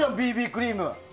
ＢＢクリーム。